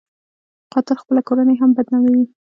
قاتل خپله کورنۍ هم بدناموي